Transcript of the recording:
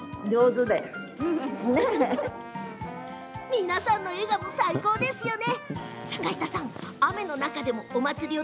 皆さんの笑顔、最高ですよね。